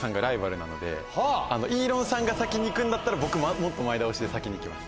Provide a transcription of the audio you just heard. イーロンさんが先に行くんだったら僕もっと前倒しで先に行きます。